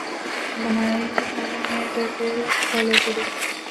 ভাই, আমি মেয়েটাকে ফলো করি।